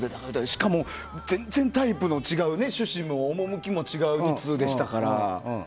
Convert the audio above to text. しかも全然タイプの違う趣旨も趣きも違う２通でしたから。